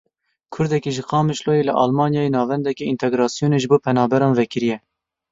Kurdekî ji Qamişloyê li Almanyayê navendeke întegrasyonê ji bo penaberan vekiriye.